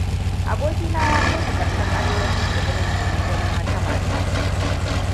Abokina ya kaini ƙarshen arewacin tsibirin domin ganin wata mata.